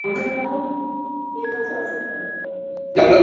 Son estructuras que bordean el orificio de la cámara de habitación.